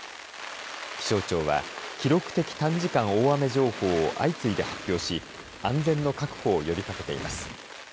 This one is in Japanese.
気象庁は記録的短時間大雨情報を相次いで発表し安全の確保を呼びかけています。